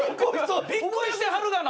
びっくりしてはるがな！